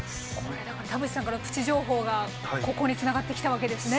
田渕さんからのプチ情報がここにつながってきたわけですね。